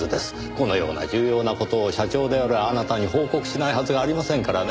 このような重要な事を社長であるあなたに報告しないはずがありませんからね。